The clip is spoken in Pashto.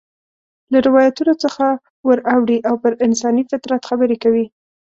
له روایتونو څخه ور اوړي او پر انساني فطرت خبرې کوي.